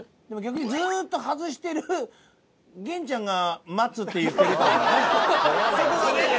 でも逆にずっと外してる元ちゃんが松って言ってるからね。